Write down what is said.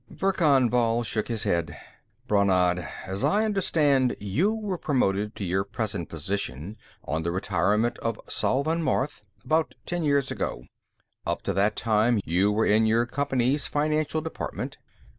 Verkan Vall shook his head. "Brannad, as I understand, you were promoted to your present position on the retirement of Salvan Marth, about ten years ago; up to that time, you were in your company's financial department.